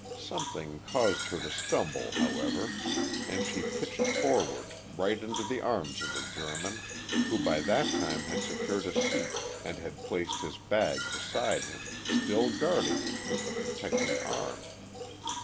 Something caused her to stumble, however, and she pitched forward right into the arms of the German, who by that time had secured a seat and had placed his bag beside him, still guarding it with a protecting arm.